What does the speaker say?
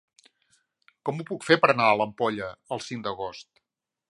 Com ho puc fer per anar a l'Ampolla el cinc d'agost?